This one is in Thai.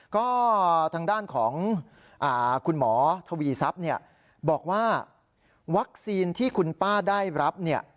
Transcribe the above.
ก็ทางด้านของคุณหมอทวีซับบอกว่าวัคซีนที่คุณป้าได้รับ